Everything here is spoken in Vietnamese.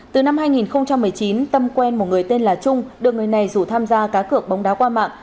từ năm hai nghìn một mươi chín tâm quen một người tên là trung được người này rủ tham gia cá cược bóng đá qua mạng